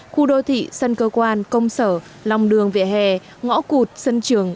khu đô thị sân cơ quan công sở lòng đường vỉa hè ngõ cụt sân trường